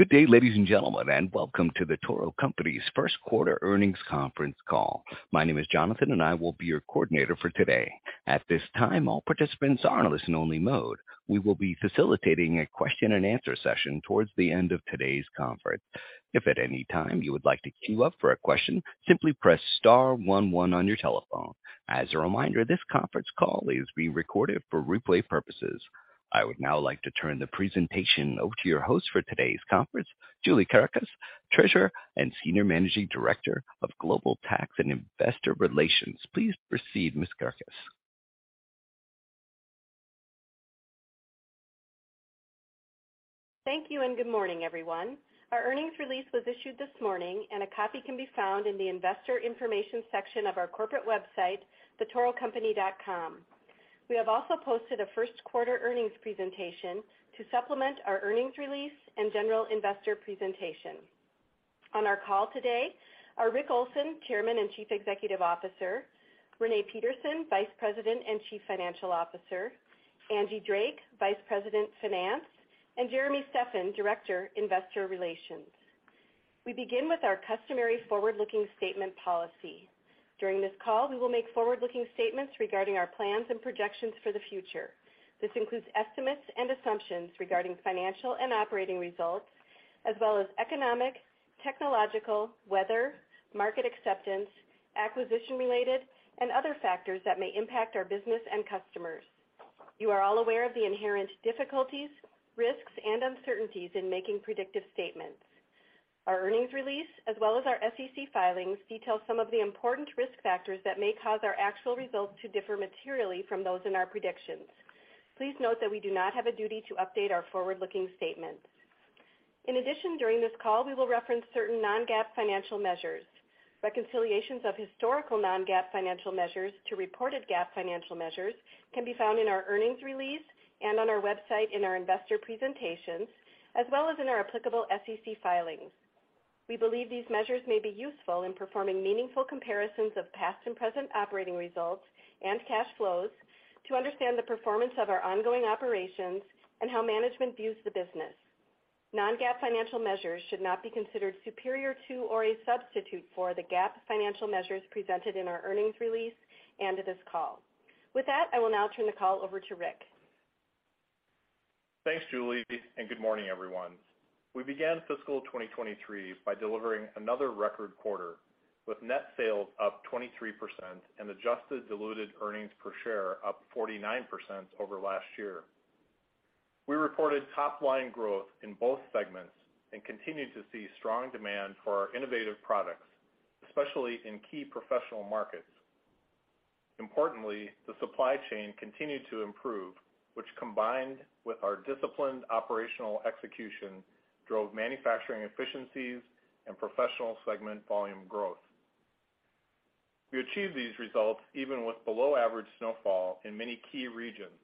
Good day, ladies and gentlemen, and welcome to The Toro Company's first quarter earnings conference call. My name is Jonathan, and I will be your coordinator for today. At this time, all participants are on a listen-only mode. We will be facilitating a question and answer session towards the end of today's conference. If at any time you would like to queue up for a question, simply press star one one on your telephone. As a reminder, this conference call is being recorded for replay purposes. I would now like to turn the presentation over to your host for today's conference, Julie Kerekes, Treasurer and Senior Managing Director of Global Tax and Investor Relations. Please proceed, Ms. Kerekes. Thank you, and good morning, everyone. Our earnings release was issued this morning, and a copy can be found in the Investor Information section of our corporate website, thetorocompany.com. We have also posted a first quarter earnings presentation to supplement our earnings release and general investor presentation. On our call today are Rick Olson, Chairman and Chief Executive Officer, Renee Peterson, Vice President and Chief Financial Officer, Angie Drake, Vice President, Finance, and Jeremy Steffan, Director, Investor Relations. We begin with our customary forward-looking statement policy. During this call, we will make forward-looking statements regarding our plans and projections for the future. This includes estimates and assumptions regarding financial and operating results, as well as economic, technological, weather, market acceptance, acquisition-related, and other factors that may impact our business and customers. You are all aware of the inherent difficulties, risks, and uncertainties in making predictive statements. Our earnings release, as well as our SEC filings, detail some of the important risk factors that may cause our actual results to differ materially from those in our predictions. Please note that we do not have a duty to update our forward-looking statements. In addition, during this call, we will reference certain non-GAAP financial measures. Reconciliations of historical non-GAAP financial measures to reported GAAP financial measures can be found in our earnings release and on our website in our investor presentations, as well as in our applicable SEC filings. We believe these measures may be useful in performing meaningful comparisons of past and present operating results and cash flows to understand the performance of our ongoing operations and how management views the business. Non-GAAP financial measures should not be considered superior to or a substitute for the GAAP financial measures presented in our earnings release and in this call. With that, I will now turn the call over to Rick. Thanks, Julie. Good morning, everyone. We began fiscal 2023 by delivering another record quarter, with net sales up 23% and adjusted diluted earnings per share up 49% over last year. We reported top-line growth in both segments and continued to see strong demand for our innovative products, especially in key professional markets. Importantly, the supply chain continued to improve, which combined with our disciplined operational execution, drove manufacturing efficiencies and professional segment volume growth. We achieved these results even with below average snowfall in many key regions,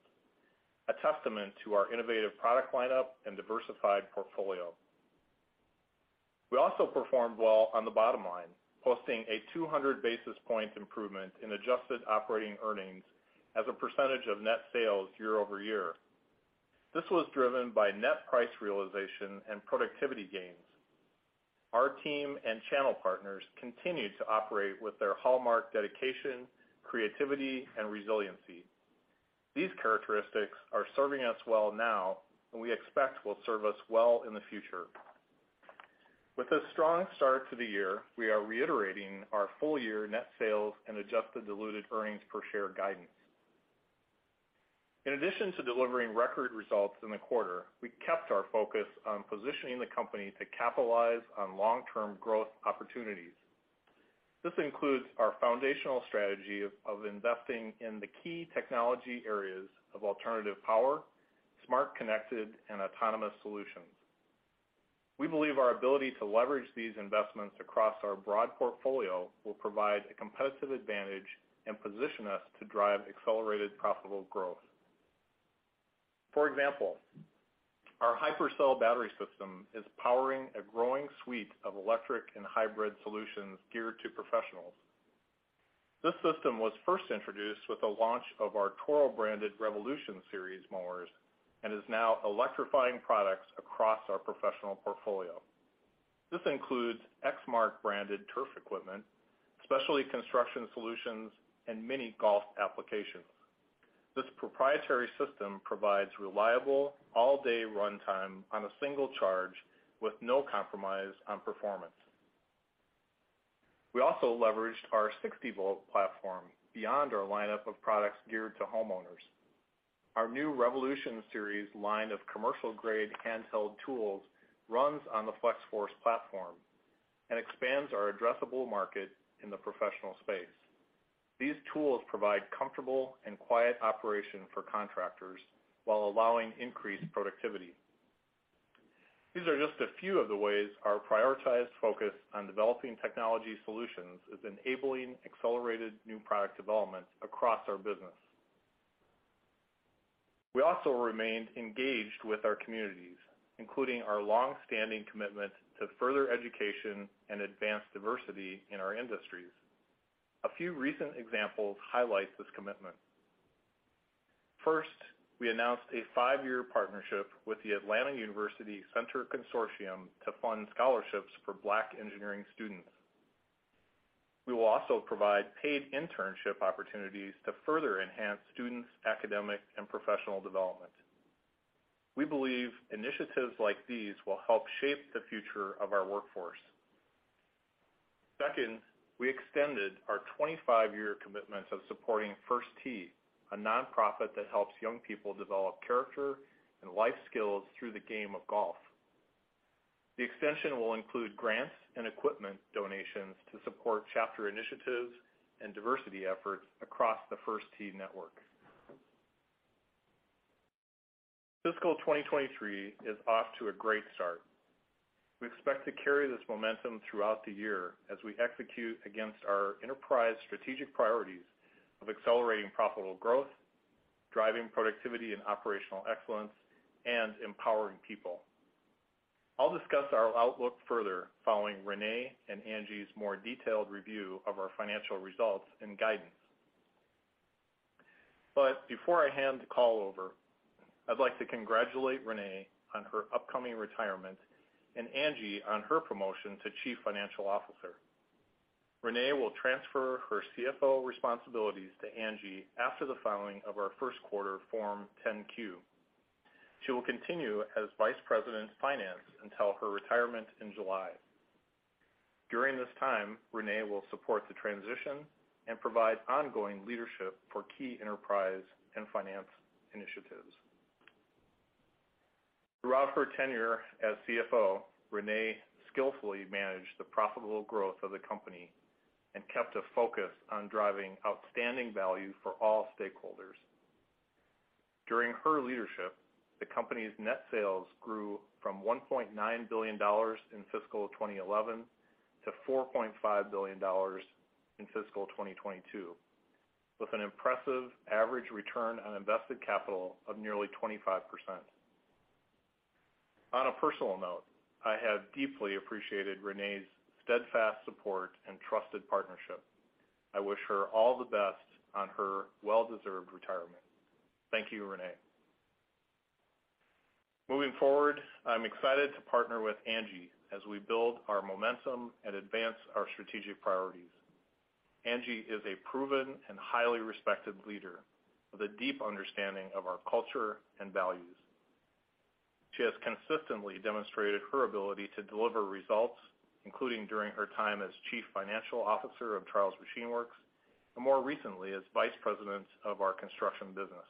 a testament to our innovative product lineup and diversified portfolio. We also performed well on the bottom line, posting a 200 basis point improvement in adjusted operating earnings as a percentage of net sales year-over-year. This was driven by net price realization and productivity gains. Our team and channel partners continued to operate with their hallmark dedication, creativity, and resiliency. These characteristics are serving us well now and we expect will serve us well in the future. With a strong start to the year, we are reiterating our full year net sales and adjusted diluted earnings per share guidance. In addition to delivering record results in the quarter, we kept our focus on positioning the company to capitalize on long-term growth opportunities. This includes our foundational strategy of investing in the key technology areas of alternative power, smart, connected, and autonomous solutions. We believe our ability to leverage these investments across our broad portfolio will provide a competitive advantage and position us to drive accelerated profitable growth. For example, our HyperCell battery system is powering a growing suite of electric and hybrid solutions geared to professionals. This system was first introduced with the launch of our Toro-branded Revolution Series mowers and is now electrifying products across our professional portfolio. This includes Exmark-branded turf equipment, specialty construction solutions, and mini golf applications. This proprietary system provides reliable all-day runtime on a single charge with no compromise on performance. We also leveraged our 60-volt platform beyond our lineup of products geared to homeowners. Our new Revolution Series line of commercial-grade handheld tools runs on the Flex-Force platform and expands our addressable market in the professional space. These tools provide comfortable and quiet operation for contractors while allowing increased productivity. These are just a few of the ways our prioritized focus on developing technology solutions is enabling accelerated new product development across our business. We also remained engaged with our communities, including our longstanding commitment to further education and advance diversity in our industries. A few recent examples highlight this commitment. First, we announced a 5-year partnership with the Atlanta University Center Consortium to fund scholarships for Black engineering students. We will also provide paid internship opportunities to further enhance students' academic and professional development. We believe initiatives like these will help shape the future of our workforce. Second, we extended our 25-year commitment of supporting First Tee, a nonprofit that helps young people develop character and life skills through the game of golf. The extension will include grants and equipment donations to support chapter initiatives and diversity efforts across the First Tee network. Fiscal 2023 is off to a great start. We expect to carry this momentum throughout the year as we execute against our enterprise strategic priorities of accelerating profitable growth, driving productivity and operational excellence, and empowering people. I'll discuss our outlook further following Renee and Angie's more detailed review of our financial results and guidance. Before I hand the call over, I'd like to congratulate Renee on her upcoming retirement and Angie on her promotion to Chief Financial Officer. Renee will transfer her CFO responsibilities to Angie after the filing of our first quarter Form 10-Q. She will continue as Vice President of Finance until her retirement in July. During this time, Renee will support the transition and provide ongoing leadership for key enterprise and finance initiatives. Throughout her tenure as CFO, Renee skillfully managed the profitable growth of the company and kept a focus on driving outstanding value for all stakeholders. During her leadership, the company's net sales grew from $1.9 billion in fiscal 2011 to $4.5 billion in fiscal 2022, with an impressive average return on invested capital of nearly 25%. On a personal note, I have deeply appreciated Renee's steadfast support and trusted partnership. I wish her all the best on her well-deserved retirement. Thank you, Renee. Moving forward, I'm excited to partner with Angie as we build our momentum and advance our strategic priorities. Angie is a proven and highly respected leader with a deep understanding of our culture and values. She has consistently demonstrated her ability to deliver results, including during her time as Chief Financial Officer of Charles Machine Works, and more recently, as Vice President of our construction business.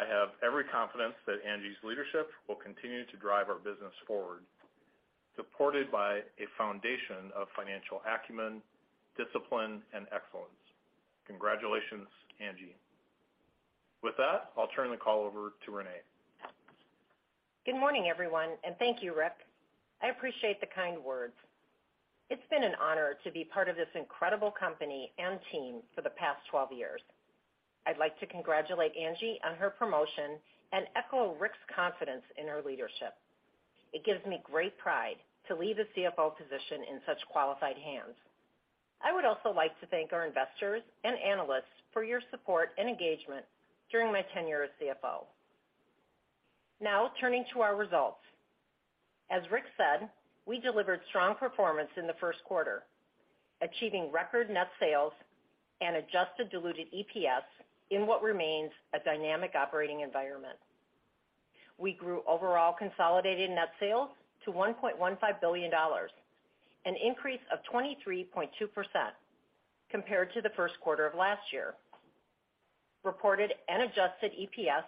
I have every confidence that Angie's leadership will continue to drive our business forward, supported by a foundation of financial acumen, discipline, and excellence. Congratulations, Angie. With that, I'll turn the call over to Renee. Good morning, everyone. Thank you, Rick Olson. I appreciate the kind words. It's been an honor to be part of this incredible company and team for the past 12 years. I'd like to congratulate Angie Drake on her promotion and echo Rick Olson's confidence in her leadership. It gives me great pride to leave the CFO position in such qualified hands. I would also like to thank our investors and analysts for your support and engagement during my tenure as CFO. Now, turning to our results. As Rick Olson said, we delivered strong performance in the first quarter, achieving record net sales and adjusted diluted EPS in what remains a dynamic operating environment. We grew overall consolidated net sales to $1.15 billion, an increase of 23.2% compared to the first quarter of last year. Reported and adjusted EPS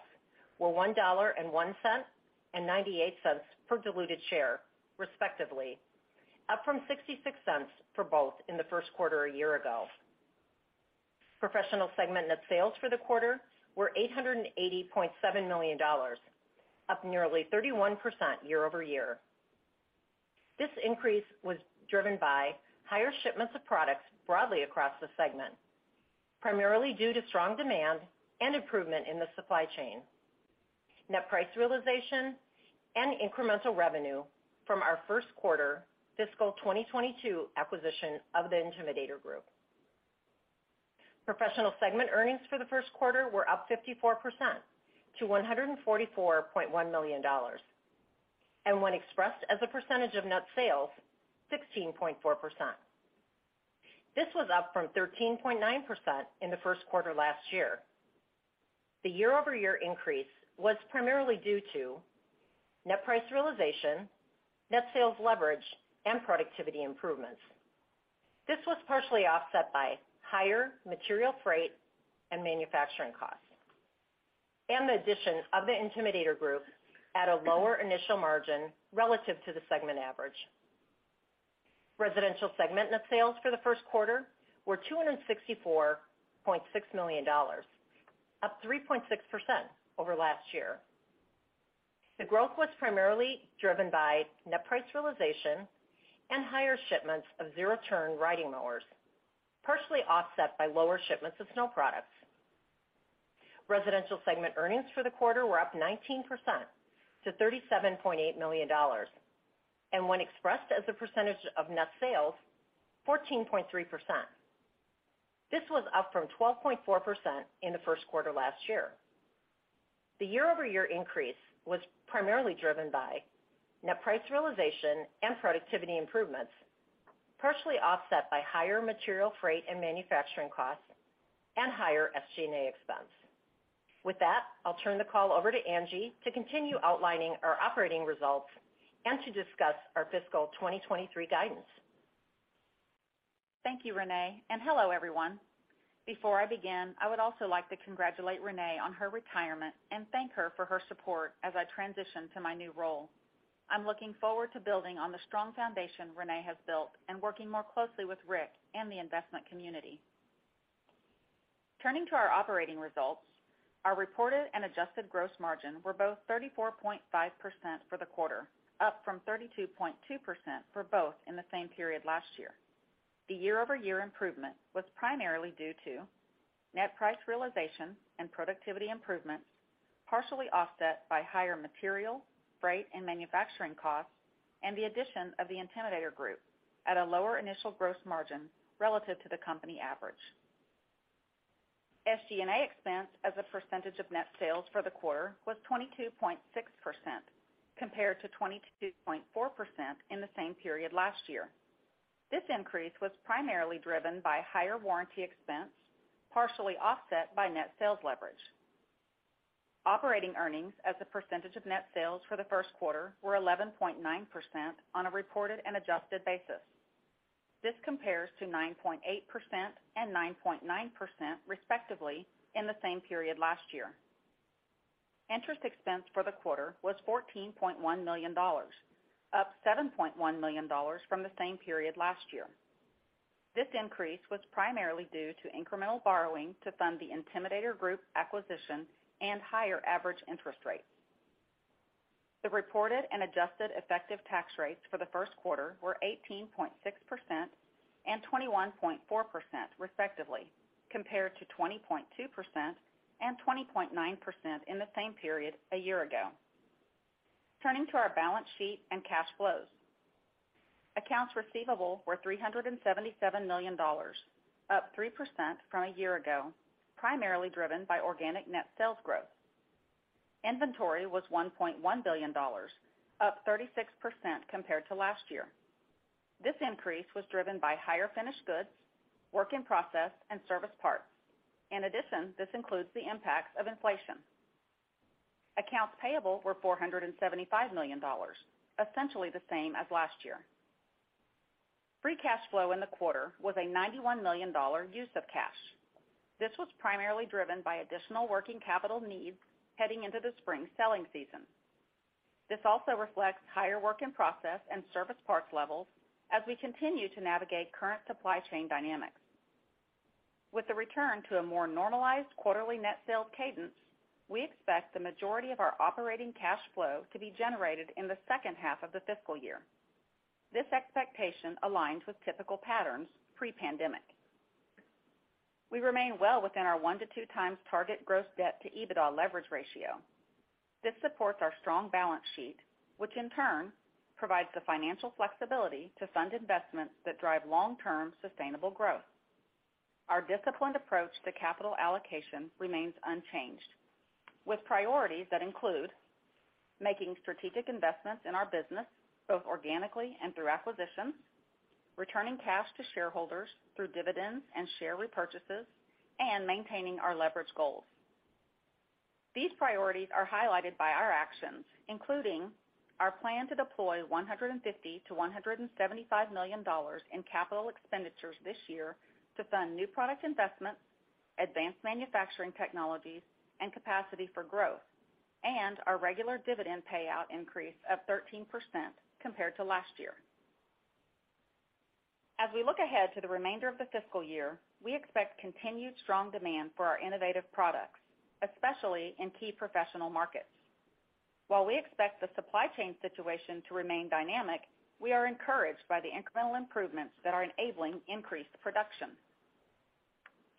were $1.01 and $0.98 per diluted share, respectively, up from $0.66 for both in the first quarter a year-ago. Professional segment net sales for the quarter were $880.7 million, up nearly 31% year-over-year. This increase was driven by higher shipments of products broadly across the segment, primarily due to strong demand and improvement in the supply chain, net price realization, and incremental revenue from our first quarter fiscal 2022 acquisition of the Intimidator Group. Professional segment earnings for the first quarter were up 54% to $144.1 million. When expressed as a percentage of net sales, 16.4%. This was up from 13.9% in the first quarter last year. The year-over-year increase was primarily due to net price realization, net sales leverage, and productivity improvements. This was partially offset by higher material freight and manufacturing costs, and the addition of the Intimidator Group at a lower initial margin relative to the segment average. Residential segment net sales for the first quarter were $264.6 million, up 3.6% over last year. The growth was primarily driven by net price realization and higher shipments of zero-turn riding mowers, partially offset by lower shipments of snow products. Residential segment earnings for the quarter were up 19% to $37.8 million. When expressed as a percentage of net sales, 14.3%. This was up from 12.4% in the first quarter last year. The year-over-year increase was primarily driven by net price realization and productivity improvements, partially offset by higher material freight and manufacturing costs and higher SG&A expense. With that, I'll turn the call over to Angie to continue outlining our operating results and to discuss our fiscal 2023 guidance. Thank you, Renee. Hello, everyone. Before I begin, I would also like to congratulate Renee on her retirement and thank her for her support as I transition to my new role. I'm looking forward to building on the strong foundation Renee has built and working more closely with Rick and the investment community. Turning to our operating results, our reported and adjusted gross margin were both 34.5% for the quarter, up from 32.2% for both in the same period last year. The year-over-year improvement was primarily due to net price realization and productivity improvements, partially offset by higher material, freight, and manufacturing costs, and the addition of the Intimidator Group at a lower initial gross margin relative to the company average. SG&A expense as a percentage of net sales for the quarter was 22.6%, compared to 22.4% in the same period last year. This increase was primarily driven by higher warranty expense, partially offset by net sales leverage. Operating earnings as a percentage of net sales for the first quarter were 11.9% on a reported and adjusted basis. This compares to 9.8% and 9.9% respectively in the same period last year. Interest expense for the quarter was $14.1 million, up $7.1 million from the same period last year. This increase was primarily due to incremental borrowing to fund the Intimidator Group acquisition and higher average interest rates. The reported and adjusted effective tax rates for the first quarter were 18.6% and 21.4% respectively, compared to 20.2% and 20.9% in the same period a year ago. Turning to our balance sheet and cash flows. Accounts receivable were $377 million, up 3% from a year ago, primarily driven by organic net sales growth. Inventory was $1.1 billion, up 36% compared to last year. This increase was driven by higher finished goods, work in process and service parts. In addition, this includes the impacts of inflation. Accounts payable were $475 million, essentially the same as last year. Free cash flow in the quarter was a $91 million use of cash. This was primarily driven by additional working capital needs heading into the spring selling season. This also reflects higher work in process and service parts levels as we continue to navigate current supply chain dynamics. With the return to a more normalized quarterly net sales cadence, we expect the majority of our operating cash flow to be generated in the second half of the fiscal year. This expectation aligns with typical patterns pre-pandemic. We remain well within our 1 to 2 times target gross debt to EBITDA leverage ratio. This supports our strong balance sheet, which in turn provides the financial flexibility to fund investments that drive long-term sustainable growth. Our disciplined approach to capital allocation remains unchanged, with priorities that include making strategic investments in our business, both organically and through acquisitions, returning cash to shareholders through dividends and share repurchases, and maintaining our leverage goals. These priorities are highlighted by our actions, including our plan to deploy $150 million-$175 million in capital expenditures this year to fund new product investments, advanced manufacturing technologies, and capacity for growth, and our regular dividend payout increase of 13% compared to last year. As we look ahead to the remainder of the fiscal year, we expect continued strong demand for our innovative products, especially in key professional markets. While we expect the supply chain situation to remain dynamic, we are encouraged by the incremental improvements that are enabling increased production.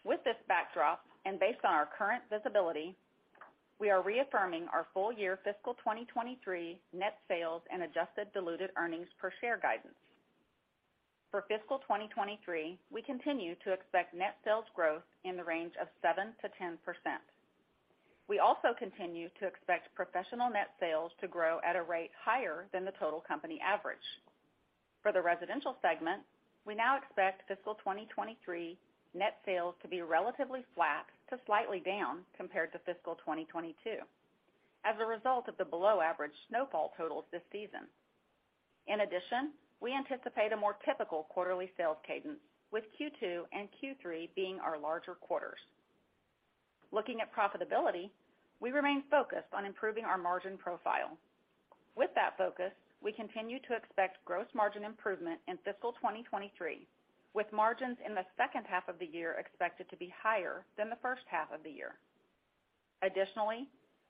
With this backdrop, and based on our current visibility, we are reaffirming our full-year fiscal 2023 net sales and adjusted diluted earnings per share guidance. For fiscal 2023, we continue to expect net sales growth in the range of 7%-10%. We also continue to expect professional net sales to grow at a rate higher than the total company average. For the residential segment, we now expect fiscal 2023 net sales to be relatively flat to slightly down compared to fiscal 2022 as a result of the below-average snowfall totals this season. In addition, we anticipate a more typical quarterly sales cadence, with Q2 and Q3 being our larger quarters. Looking at profitability, we remain focused on improving our margin profile. With that focus, we continue to expect gross margin improvement in fiscal 2023, with margins in the second half of the year expected to be higher than the first half of the year.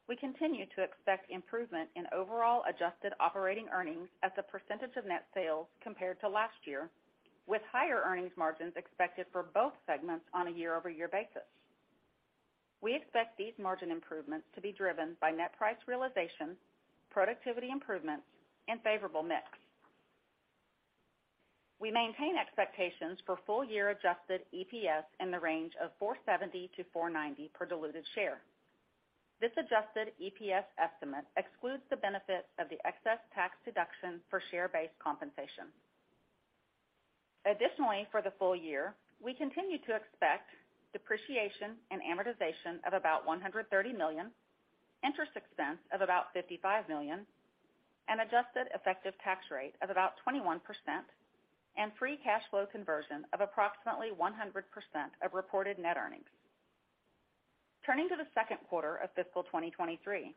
We continue to expect improvement in overall adjusted operating earnings as a percentage of net sales compared to last year, with higher earnings margins expected for both segments on a year-over-year basis. We expect these margin improvements to be driven by net price realization, productivity improvements, and favorable mix. We maintain expectations for full year adjusted EPS in the range of $4.70-$4.90 per diluted share. This adjusted EPS estimate excludes the benefit of the excess tax deduction for share-based compensation. For the full year, we continue to expect depreciation and amortization of about $130 million, interest expense of about $55 million, an adjusted effective tax rate of about 21%, and free cash flow conversion of approximately 100% of reported net earnings. Turning to the second quarter of fiscal 2023,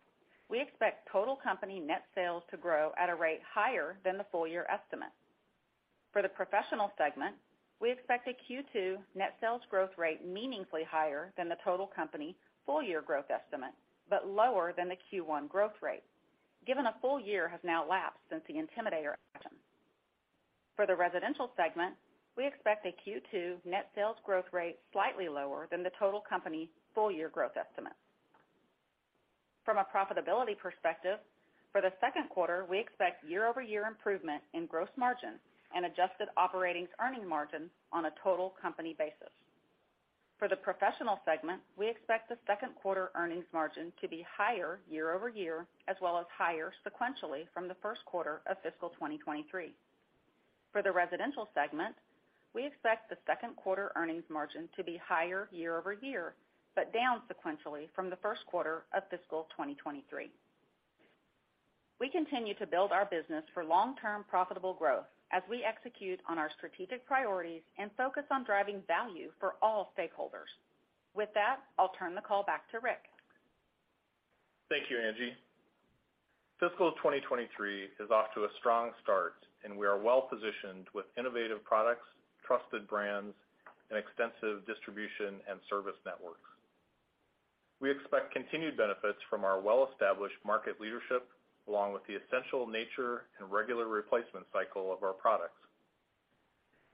we expect total company net sales to grow at a rate higher than the full year estimate. For the professional segment, we expect a Q2 net sales growth rate meaningfully higher than the total company full year growth estimate, but lower than the Q1 growth rate, given a full year has now elapsed since the Intimidator action. For the residential segment, we expect a Q2 net sales growth rate slightly lower than The Toro Company's full year growth estimate. From a profitability perspective, for the second quarter, we expect year-over-year improvement in gross margin and adjusted operating earnings margin on a total company basis. For the professional segment, we expect the second quarter earnings margin to be higher year-over-year as well as higher sequentially from the first quarter of fiscal 2023. For the residential segment, we expect the second quarter earnings margin to be higher year-over-year, but down sequentially from the first quarter of fiscal 2023. We continue to build our business for long-term profitable growth as we execute on our strategic priorities and focus on driving value for all stakeholders. With that, I'll turn the call back to Rick. Thank you, Angie. Fiscal 2023 is off to a strong start, we are well-positioned with innovative products, trusted brands, and extensive distribution and service networks. We expect continued benefits from our well-established market leadership, along with the essential nature and regular replacement cycle of our products.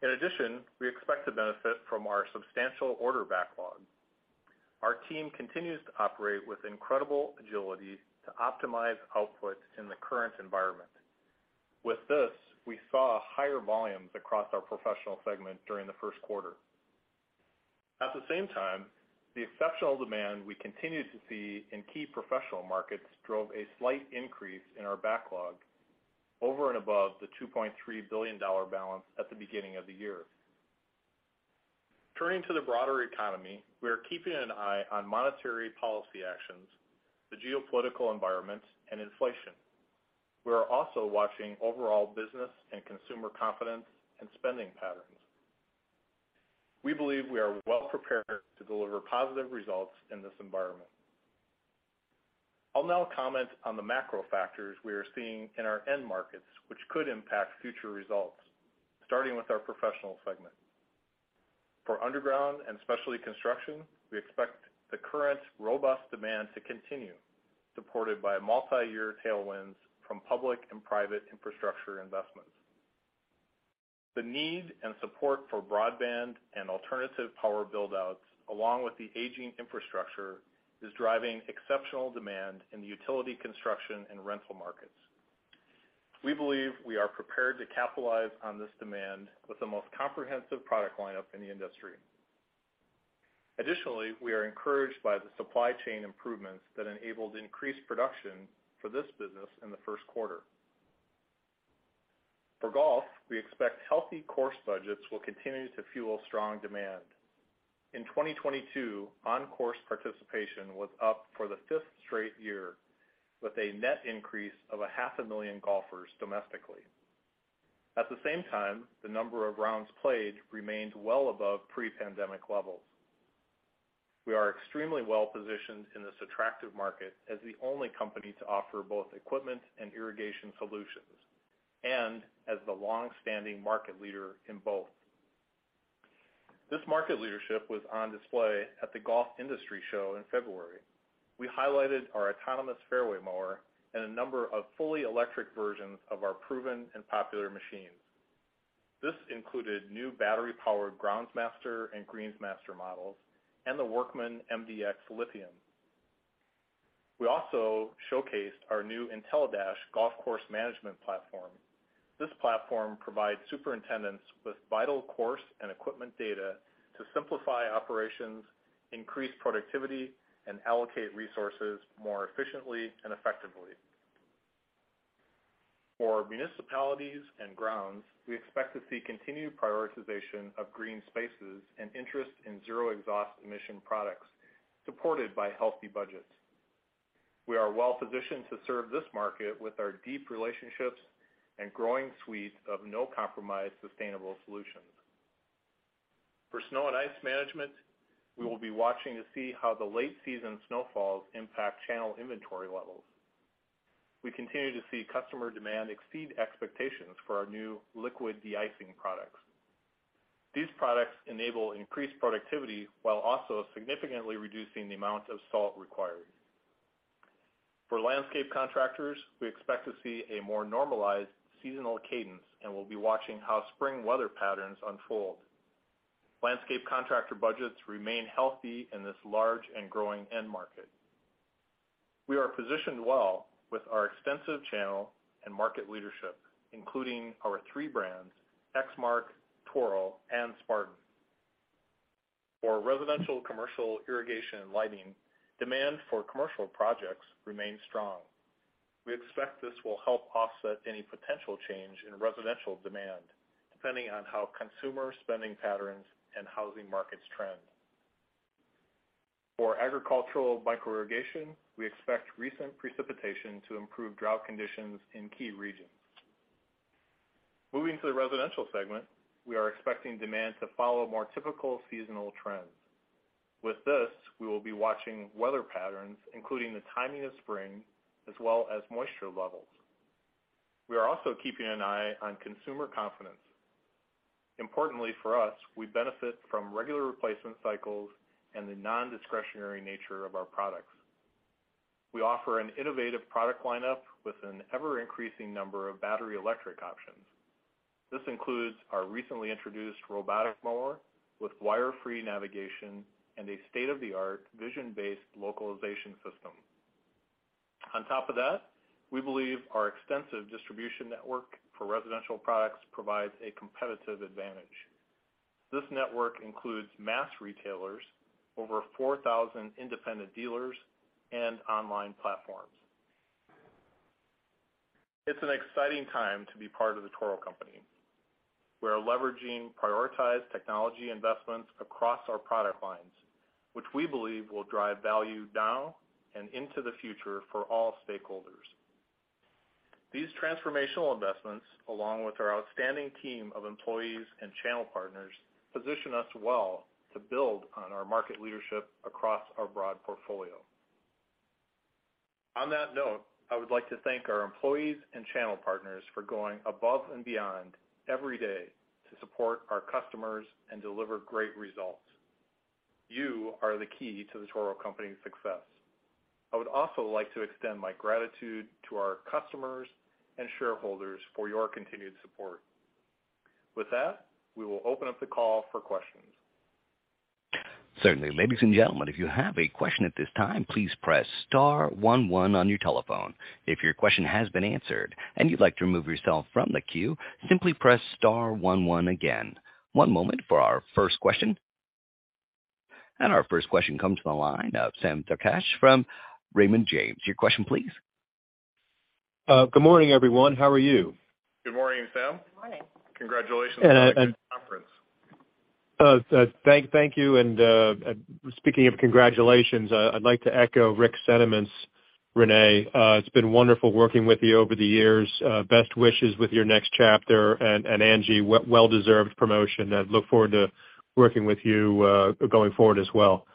In addition, we expect to benefit from our substantial order backlog. Our team continues to operate with incredible agility to optimize output in the current environment. With this, we saw higher volumes across our professional segment during the first quarter. At the same time, the exceptional demand we continue to see in key professional markets drove a slight increase in our backlog over and above the $2.3 billion balance at the beginning of the year. Turning to the broader economy, we are keeping an eye on monetary policy actions, the geopolitical environment, and inflation. We are also watching overall business and consumer confidence in spending patterns. We believe we are well prepared to deliver positive results in this environment. I'll now comment on the macro factors we are seeing in our end markets, which could impact future results, starting with our professional segment. For underground and specialty construction, we expect the current robust demand to continue, supported by multiyear tailwinds from public and private infrastructure investments. The need and support for broadband and alternative power build-outs, along with the aging infrastructure, is driving exceptional demand in the utility construction and rental markets. We believe we are prepared to capitalize on this demand with the most comprehensive product lineup in the industry. Additionally, we are encouraged by the supply chain improvements that enabled increased production for this business in the first quarter. For golf, we expect healthy course budgets will continue to fuel strong demand. In 2022, on-course participation was up for the fifth straight year with a net increase of a half a million golfers domestically. At the same time, the number of rounds played remained well above pre-pandemic levels. We are extremely well positioned in this attractive market as the only company to offer both equipment and irrigation solutions, and as the long-standing market leader in both. This market leadership was on display at the Golf Industry Show in February. We highlighted our autonomous fairway mower and a number of fully electric versions of our proven and popular machines. This included new battery-powered Groundsmaster and Greensmaster models and the Workman MDX Lithium. We also showcased our new IntelliDash golf course management platform. This platform provides superintendents with vital course and equipment data to simplify operations, increase productivity, and allocate resources more efficiently and effectively. For municipalities and grounds, we expect to see continued prioritization of green spaces and interest in zero exhaust emission products supported by healthy budgets. We are well positioned to serve this market with our deep relationships and growing suite of no compromise sustainable solutions. For snow and ice management, we will be watching to see how the late season snowfalls impact channel inventory levels. We continue to see customer demand exceed expectations for our new liquid de-icing products. These products enable increased productivity while also significantly reducing the amount of salt required. For landscape contractors, we expect to see a more normalized seasonal cadence, and we'll be watching how spring weather patterns unfold. Landscape contractor budgets remain healthy in this large and growing end market. We are positioned well with our extensive channel and market leadership, including our three brands, Exmark, Toro, and Spartan. For residential commercial irrigation and lighting, demand for commercial projects remains strong. We expect this will help offset any potential change in residential demand, depending on how consumer spending patterns and housing markets trend. For agricultural micro irrigation, we expect recent precipitation to improve drought conditions in key regions. Moving to the residential segment, we are expecting demand to follow more typical seasonal trends. With this, we will be watching weather patterns, including the timing of spring as well as moisture levels. We are also keeping an eye on consumer confidence. Importantly for us, we benefit from regular replacement cycles and the nondiscretionary nature of our products. We offer an innovative product lineup with an ever-increasing number of battery electric options. This includes our recently introduced robotic mower with wire-free navigation and a state-of-the-art vision-based localization system. On top of that, we believe our extensive distribution network for residential products provides a competitive advantage. This network includes mass retailers, over 4,000 independent dealers, and online platforms. It's an exciting time to be part of The Toro Company. We are leveraging prioritized technology investments across our product lines, which we believe will drive value now and into the future for all stakeholders. These transformational investments, along with our outstanding team of employees and channel partners, position us well to build on our market leadership across our broad portfolio. On that note, I would like to thank our employees and channel partners for going above and beyond every day to support our customers and deliver great results. You are the key to The Toro Company's success. I would also like to extend my gratitude to our customers and shareholders for your continued support. With that, we will open up the call for questions. Certainly. Ladies and gentlemen, if you have a question at this time, please press star one one on your telephone. If your question has been answered and you'd like to remove yourself from the queue, simply press star one one again. One moment for our first question. Our first question comes from the line of Sam Darkatsh from Raymond James. Your question, please. Good morning, everyone. How are you? Good morning, Sam. Morning. Congratulations on a good conference. Thank you. Speaking of congratulations, I'd like to echo Rick's sentiments, Renee. It's been wonderful working with you over the years. Best wishes with your next chapter. Angie, well deserved promotion. I look forward to working with you, going forward as well.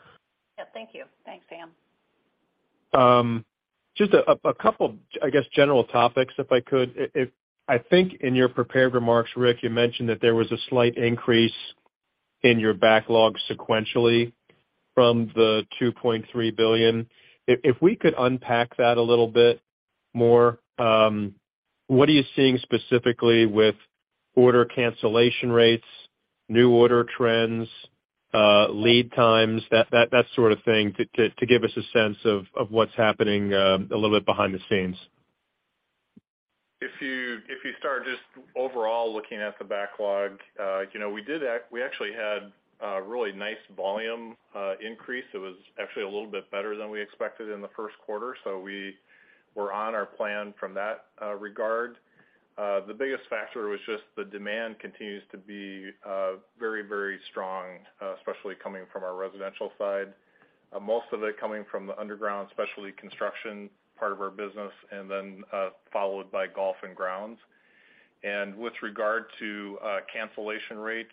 Yeah, thank you. Thanks, Sam. Just a couple, I guess, general topics, if I could. I think in your prepared remarks, Rick, you mentioned that there was a slight increase in your backlog sequentially from the $2.3 billion. If we could unpack that a little bit more, what are you seeing specifically with order cancellation rates, new order trends, lead times, that sort of thing to give us a sense of what's happening a little bit behind the scenes? If you start just overall looking at the backlog, you know, we actually had a really nice volume increase. It was actually a little bit better than we expected in the first quarter. We were on our plan from that regard. The biggest factor was just the demand continues to be very, very strong, especially coming from our residential side. Most of it coming from the underground specialty construction part of our business and then followed by golf and grounds. With regard to cancellation rates,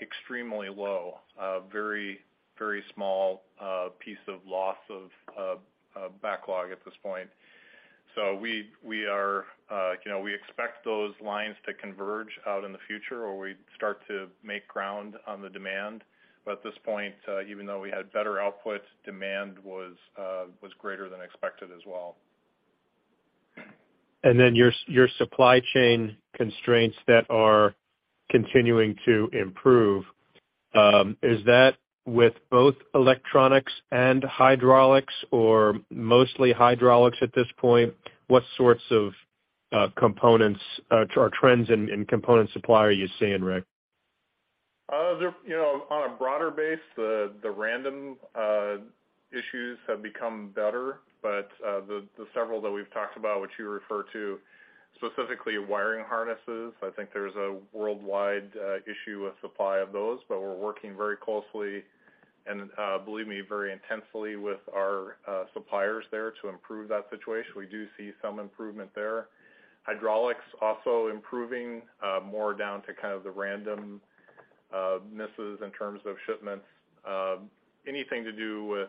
extremely low, a very, very small piece of loss of backlog at this point. We are, you know- we expect those lines to converge out in the future or we start to make ground on the demand. At this point, even though we had better outputs, demand was greater than expected as well. Your supply chain constraints that are continuing to improve, is that with both electronics and hydraulics or mostly hydraulics at this point? What sorts of components or trends in component supply are you seeing, Rick? They're, you know, on a broader base, the random issues have become better. The several that we've talked about, which you refer to, specifically wiring harnesses, I think there's a worldwide issue with supply of those. We're working very closely and, believe me, very intensely with our suppliers there to improve that situation. We do see some improvement there. Hydraulics also improving, more down to kind of the random misses in terms of shipments. Anything to do with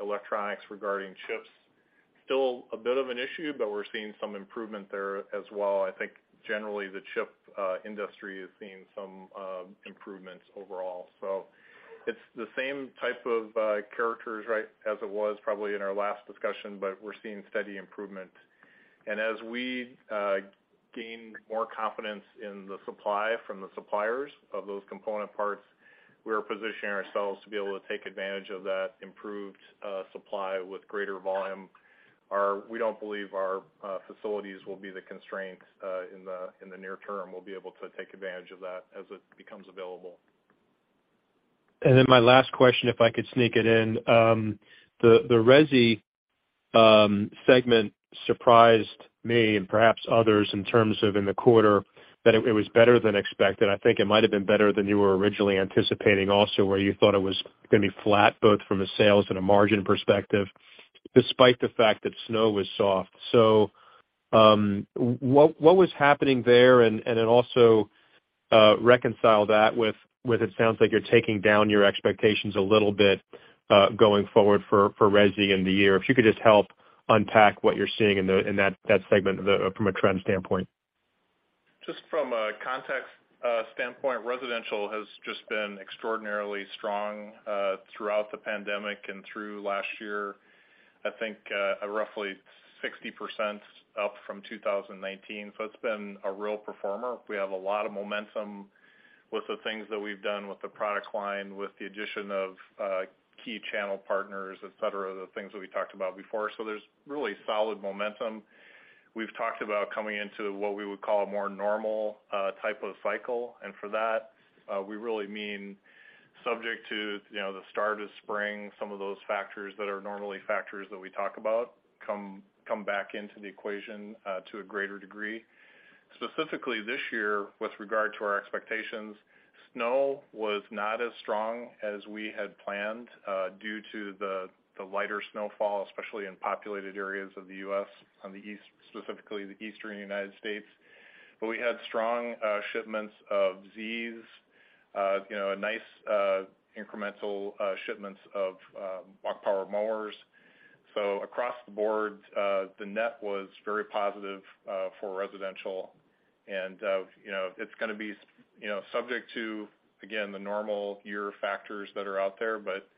electronics regarding chips, still a bit of an issue, but we're seeing some improvement there as well. I think generally the chip industry is seeing some improvements overall. It's the same type of characters, right, as it was probably in our last discussion, but we're seeing steady improvement. As we gain more confidence in the supply from the suppliers of those component parts, we are positioning ourselves to be able to take advantage of that improved supply with greater volume. We don't believe our facilities will be the constraints in the near term. We'll be able to take advantage of that as it becomes available. My last question, if I could sneak it in. The resi segment surprised me and perhaps others in terms of in the quarter, that it was better than expected. I think it might have been better than you were originally anticipating also, where you thought it was gonna be flat, both from a sales and a margin perspective, despite the fact that snow was soft. What was happening there? Also, reconcile that with it sounds like you're taking down your expectations a little bit, going forward for resi in the year. If you could just help unpack what you're seeing in that segment of the from a trend standpoint. Just from a context standpoint, residential has just been extraordinarily strong throughout the pandemic and through last year. I think roughly 60% up from 2019, so it's been a real performer. We have a lot of momentum with the things that we've done with the product line, with the addition of key channel partners, et cetera, the things that we talked about before. There's really solid momentum. We've talked about coming into what we would call a more normal type of cycle, and for that, we really mean subject to, you know, the start of spring. Some of those factors that are normally factors that we talk about come back into the equation to a greater degree. Specifically, this year, with regard to our expectations, snow was not as strong as we had planned, due to the lighter snowfall, especially in populated areas of the U.S., on the East, specifically the Eastern United States. We had strong shipments of Zs, you know, nice incremental shipments of walk power mowers. Across the board, the net was very positive for residential. You know, it's gonna be, you know, subject to, again, the normal year factors that are out there, but,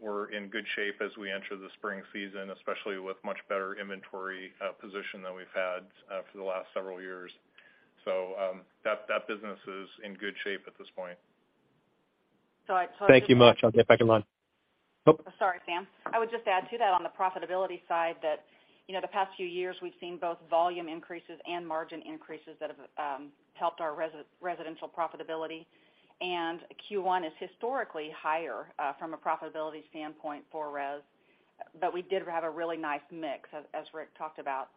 we're in good shape as we enter the spring season, especially with much better inventory position than we've had for the last several years. That, that business is in good shape at this point. I'd. Thank you much. I'll get back in line. Oh. Sorry, Sam. I would just add to that on the profitability side that, you know, the past few years, we've seen both volume increases and margin increases that have helped our residential profitability. Q1 is historically higher from a profitability standpoint for res, but we did have a really nice mix, as Rick talked about.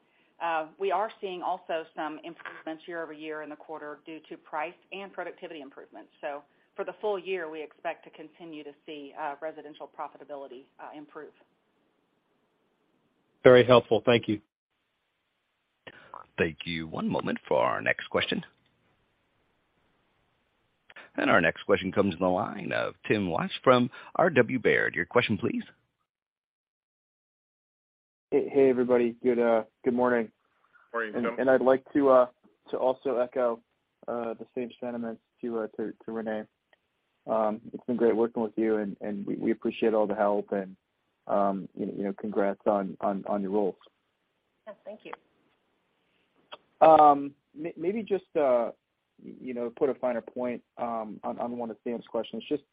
We are seeing also some improvements year-over-year in the quarter due to price and productivity improvements. For the full year, we expect to continue to see residential profitability improve. Very helpful. Thank you. Thank you. One moment for our next question. Our next question comes from the line of Tim Wojs from Robert W. Baird & Co. Your question, please. Hey, hey everybody. Good, good morning. Morning, Tim. I'd like to also echo the same sentiments to Renee. It's been great working with you, and we appreciate all the help and, you know, congrats on your role. Yeah, thank you. Maybe just, you know, put a finer point on one of Sam's questions. Just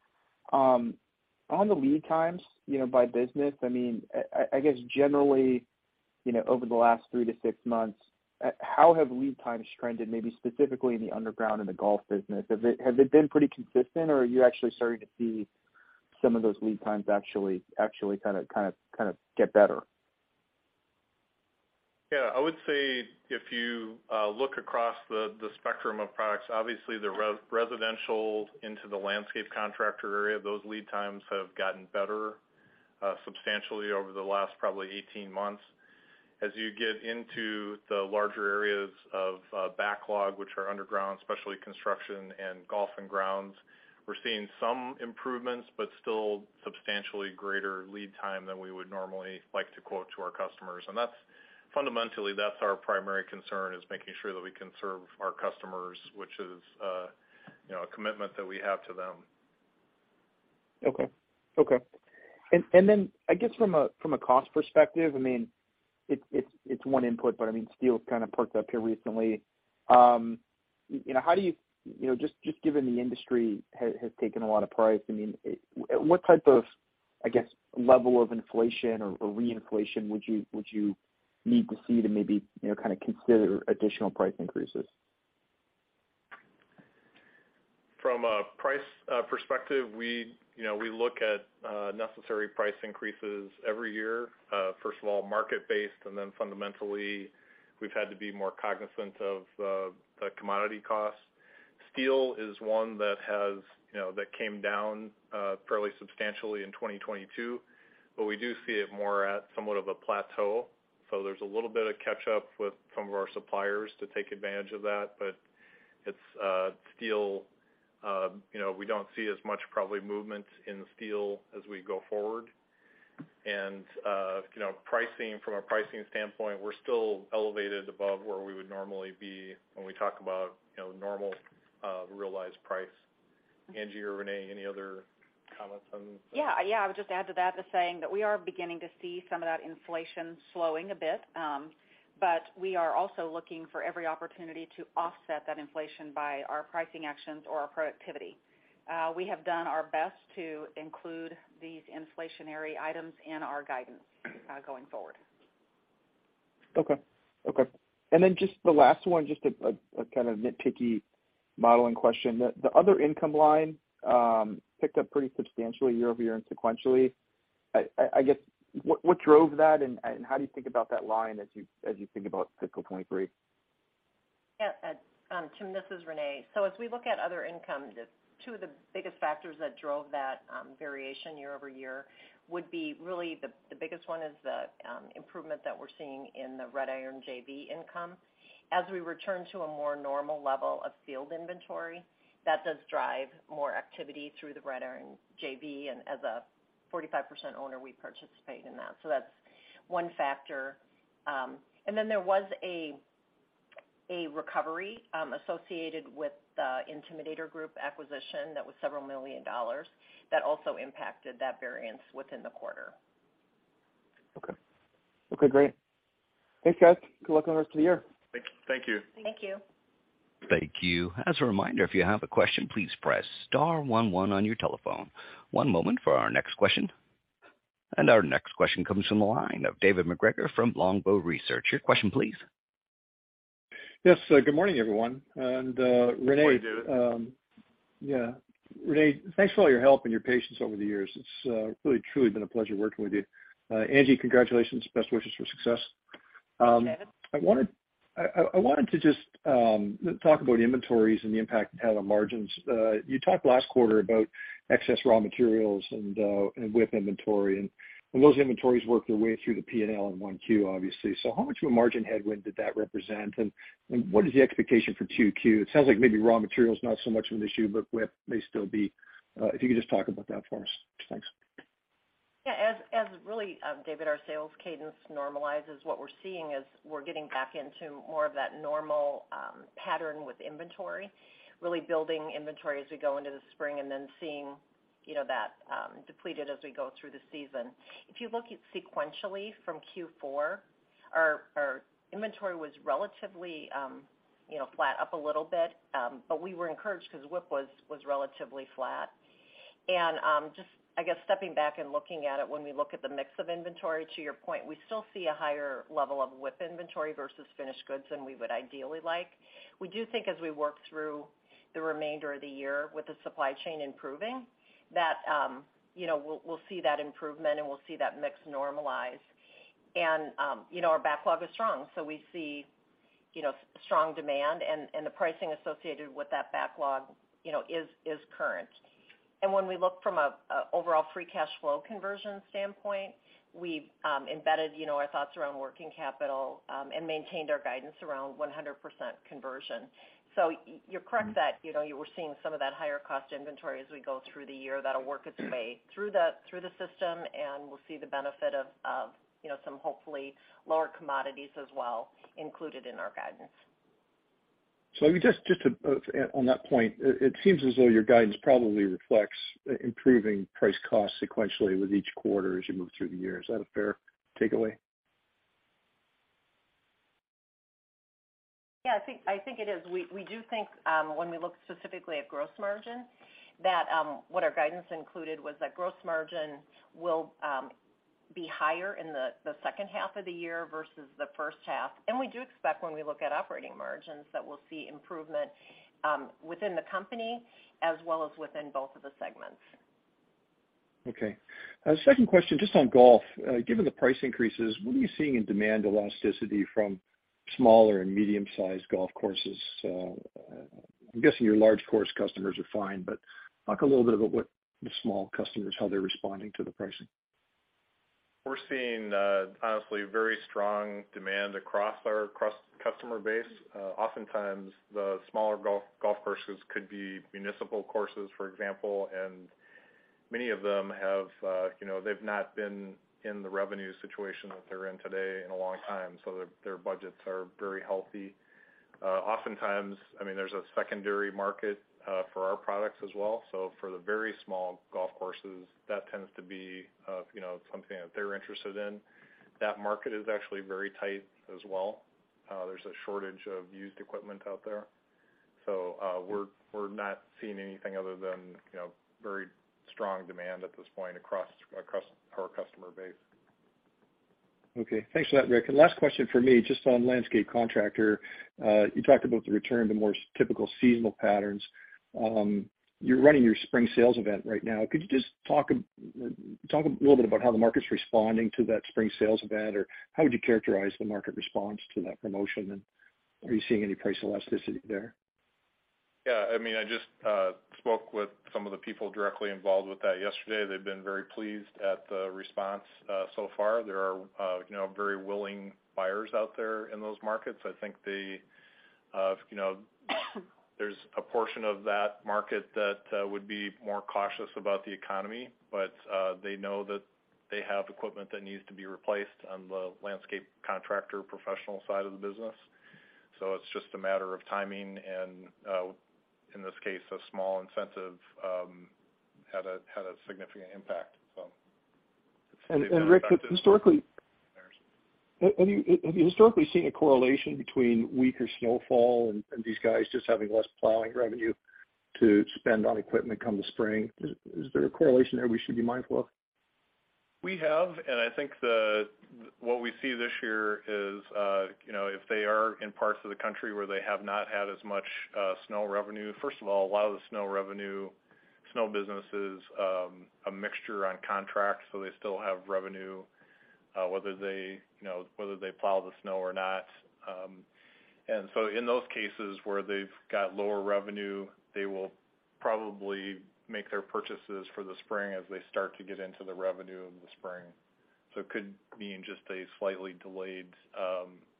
on the lead times, you know, by business, I mean, I guess generally, you know, over the last three to six months, how have lead times trended, maybe specifically in the underground, in the golf business? Has it been pretty consistent, or are you actually starting to see some of those lead times actually kinda get better? I would say if you look across the spectrum of products, obviously the residential into the landscape contractor area, those lead times have gotten better substantially over the last probably 18 months. As you get into the larger areas of backlog, which are underground, especially construction and golf and grounds, we're seeing some improvements, but still substantially greater lead time than we would normally like to quote to our customers. That's fundamentally, that's our primary concern, is making sure that we can serve our customers, which is, you know, a commitment that we have to them. Okay. Okay. Then I guess from a cost perspective, I mean, it's one input, but I mean, steel's kinda perked up here recently. You know, how do you... You know, just given the industry has taken a lot of price, I mean, what type of, I guess, level of inflation or reinflation would you need to see to maybe, you know, kinda consider additional price increases? From a price perspective, we, you know, we look at necessary price increases every year. First of all, market-based, and then fundamentally, we've had to be more cognizant of the commodity costs. Steel is one that has, you know, that came down fairly substantially in 2022, but we do see it more at somewhat of a plateau. There's a little bit of catch up with some of our suppliers to take advantage of that. It's steel, you know, we don't see as much probably movement in steel as we go forward. You know, pricing, from a pricing standpoint, we're still elevated above where we would normally be when we talk about, you know, normal realized price. Angie or Renee, any other comments? Yeah. Yeah, I would just add to that by saying that we are beginning to see some of that inflation slowing a bit, but we are also looking for every opportunity to offset that inflation by our pricing actions or our productivity. We have done our best to include these inflationary items in our guidance going forward. Okay. Okay. Then just the last one, just a kind of nitpicky modeling question. The other income line picked up pretty substantially year over year and sequentially. I guess, what drove that, and how do you think about that line as you think about fiscal 23? Tim, this is Renee. As we look at other income, two of the biggest factors that drove that variation year-over-year would be really the biggest one is the improvement that we're seeing in the Red Iron JV income. As we return to a more normal level of field inventory, that does drive more activity through the Red Iron JV, and as a 45% owner, we participate in that. That's one factor. Then there was a recovery associated with the Intimidator Group acquisition that was several million dollars that also impacted that variance within the quarter. Okay. Okay, great. Thanks, guys. Good luck on the rest of the year. Thank you. Thank you. Thank you. As a reminder, if you have a question, please press star 11 on your telephone. One moment for our next question. Our next question comes from the line of David MacGregor from Longbow Research. Your question please. Yes. Good morning, everyone. Renee. Good morning, David. Yeah. Renee, thanks for all your help and your patience over the years. It's really truly been a pleasure working with you. Angie, congratulations. Best wishes for success. David. I wanted to just talk about inventories and the impact it had on margins. You talked last quarter about excess raw materials and WIP inventory, and those inventories worked their way through the P&L in one Q, obviously. How much of a margin headwind did that represent, and what is the expectation for two Q? It sounds like maybe raw materials not so much of an issue, but WIP may still be, if you could just talk about that for us. Thanks. Yeah, as really, David, our sales cadence normalizes, what we're seeing is we're getting back into more of that normal pattern with inventory, really building inventory as we go into the spring, and then seeing, you know, that depleted as we go through the season. If you look at sequentially from Q4, our inventory was relatively, you know, flat up a little bit, but we were encouraged because WIP was relatively flat. Just, I guess, stepping back and looking at it, when we look at the mix of inventory, to your point, we still see a higher level of WIP inventory versus finished goods than we would ideally like. We do think as we work through the remainder of the year with the supply chain improving, that, you know, we'll see that improvement, and we'll see that mix normalize. You know, our backlog is strong, so we see, you know, strong demand and, the pricing associated with that backlog, you know, is current. When we look from an overall free cash flow conversion standpoint, we've embedded, you know, our thoughts around working capital, and maintained our guidance around 100% conversion. You're correct that, you know, you were seeing some of that higher cost inventory as we go through the year. That'll work its way through the system, and we'll see the benefit of, you know, some hopefully lower commodities as well included in our guidance. let me just to, on that point, it seems as though your guidance probably reflects improving price cost sequentially with each quarter as you move through the year. Is that a fair takeaway? Yeah, I think it is. We do think, when we look specifically at gross margin, that what our guidance included was that gross margin will be higher in the second half of the year versus the first half. We do expect when we look at operating margins, that we'll see improvement within the company as well as within both of the segments. Okay. Second question, just on golf. Given the price increases, what are you seeing in demand elasticity from smaller and medium-sized golf courses? I'm guessing your large course customers are fine, but talk a little bit about what the small customers, how they're responding to the pricing. We're seeing, honestly, very strong demand across our customer base. Oftentimes, the smaller golf courses could be municipal courses, for example, and many of them have, you know, they've not been in the revenue situation that they're in today in a long time, so their budgets are very healthy. Oftentimes, I mean, there's a secondary market for our products as well. For the very small golf courses, that tends to be, you know, something that they're interested in. That market is actually very tight as well. There's a shortage of used equipment out there. We're not seeing anything other than, you know, very strong demand at this point across our customer base. Okay. Thanks for that, Rick. Last question from me, just on landscape contractor. You talked about the return to more typical seasonal patterns. You're running your spring sales event right now. Could you just talk a little bit about how the market's responding to that spring sales event, or how would you characterize the market response to that promotion, and are you seeing any price elasticity there? Yeah, I mean, I just spoke with some of the people directly involved with that yesterday. They've been very pleased at the response so far. There are, you know, very willing buyers out there in those markets. I think they, you know, there's a portion of that market that would be more cautious about the economy, but they know that they have equipment that needs to be replaced on the landscape contractor professional side of the business. It's just a matter of timing, and in this case, a small incentive had a significant impact. Rick, historically, have you historically seen a correlation between weaker snowfall and these guys just having less plowing revenue to spend on equipment come the spring? Is there a correlation there we should be mindful of? We have, and I think what we see this year is, you know, if they are in parts of the country where they have not had as much snow revenue. First of all, a lot of the snow revenue, snow business is a mixture on contracts, so they still have revenue, whether they, you know, whether they plow the snow or not. In those cases where they've got lower revenue, they will probably make their purchases for the spring as they start to get into the revenue in the spring. It could mean just a slightly delayed,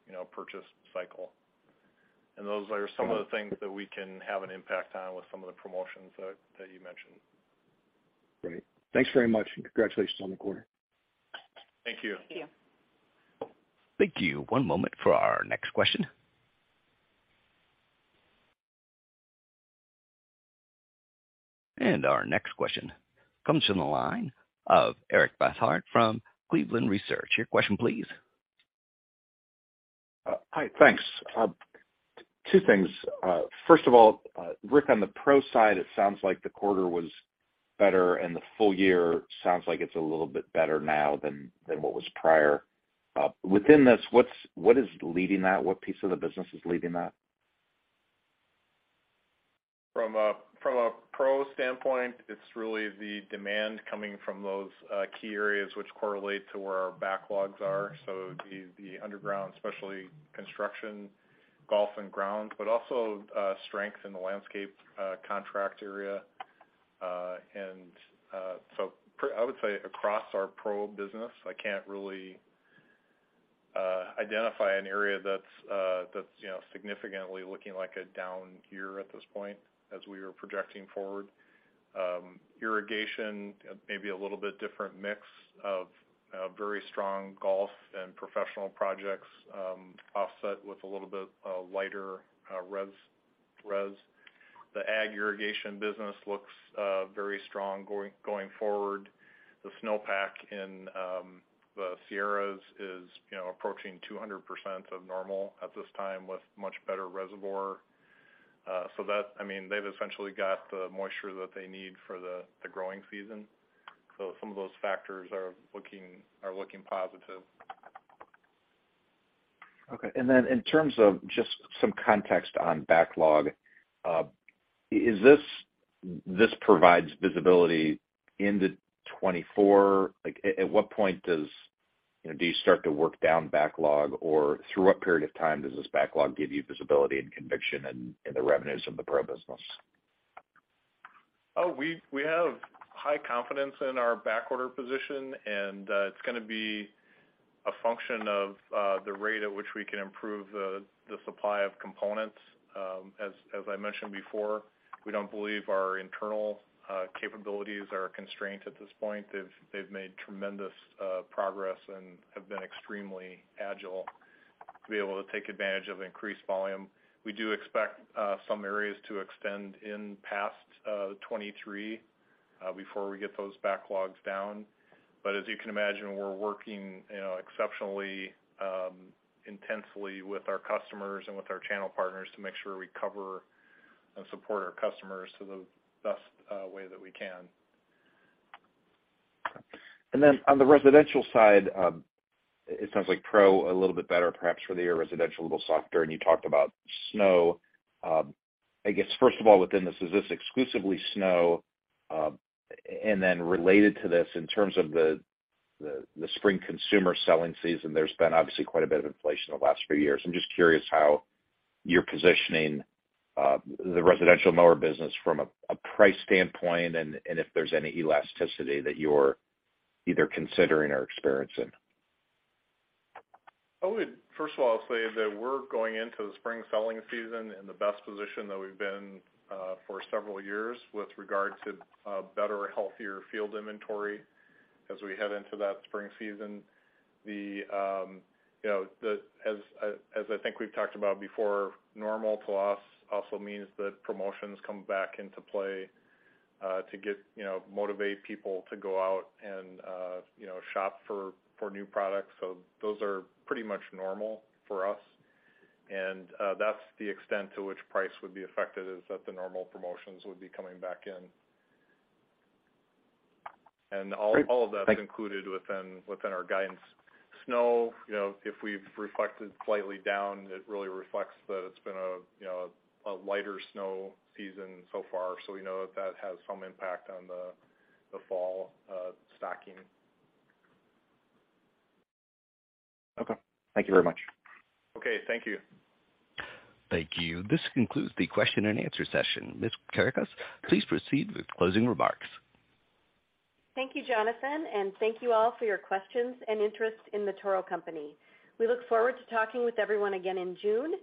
you know, purchase cycle. Those are some of the things that we can have an impact on with some of the promotions that you mentioned. Great. Thanks very much, and congratulations on the quarter. Thank you. Thank you. Thank you. One moment for our next question. Our next question comes from the line of Eric Bosshard from Cleveland Research. Your question please. Hi, thanks. Two things. First of all, Rick, on the Pro side, it sounds like the quarter was better, and the full year sounds like it's a little bit better now than what was prior. Within this, what is leading that? What piece of the business is leading that? From a Pro standpoint, it's really the demand coming from those key areas which correlate to where our backlogs are. The underground, especially construction, golf, and ground, but also strength in the landscape contract area. I would say across our Pro business, I can't really identify an area that's, you know, significantly looking like a down year at this point as we are projecting forward. Irrigation may be a little bit different mix of very strong golf and professional projects, offset with a little bit of lighter res. The ag irrigation business looks very strong going forward. The snowpack in the Sierras is, you know, approaching 200% of normal at this time with much better reservoir. That... I mean, they've essentially got the moisture that they need for the growing season. Some of those factors are looking positive. Okay. In terms of just some context on backlog, This provides visibility into 2024. Like, at what point does You know, do you start to work down backlog, or through what period of time does this backlog give you visibility and conviction in the revenues of the Pro business? We have high confidence in our back order position. It's gonna be a function of the rate at which we can improve the supply of components. As I mentioned before, we don't believe our internal capabilities are a constraint at this point. They've made tremendous progress and have been extremely agile to be able to take advantage of increased volume. We do expect some areas to extend in past 2023 before we get those backlogs down. As you can imagine, we're working, you know, exceptionally intensely with our customers and with our channel partners to make sure we cover and support our customers to the best way that we can. On the Residential side, it sounds like Pro a little bit better, perhaps for the year, Residential a little softer, and you talked about snow. I guess, first of all, within this, is this exclusively snow? Related to this, in terms of the spring consumer selling season, there's been obviously quite a bit of inflation the last few years. I'm just curious how you're positioning the Residential and Mower business from a price standpoint and if there's any elasticity that you're either considering or experiencing. I would, first of all, say that we're going into the spring selling season in the best position that we've been for several years with regard to better, healthier field inventory as we head into that spring season. The, you know, as I think we've talked about before, normal to us also means that promotions come back into play to get, you know, motivate people to go out and, you know, shop for new products. Those are pretty much normal for us. That's the extent to which price would be affected is that the normal promotions would be coming back in. All of that's included within our guidance. Snow, you know, if we've reflected slightly down, it really reflects that it's been a, you know, a lighter snow season so far. We know that that has some impact on the fall stocking. Okay. Thank you very much. Okay. Thank you. Thank you. This concludes the question and answer session. Ms. Kerekes, please proceed with closing remarks. Thank you, Jonathan. Thank you all for your questions and interest in The Toro Company. We look forward to talking with everyone again in June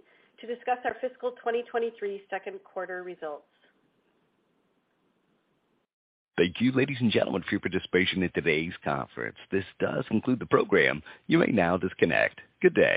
to discuss our fiscal 2023 second quarter results. Thank you, ladies and gentlemen, for your participation in today's conference. This does conclude the program. You may now disconnect. Good day.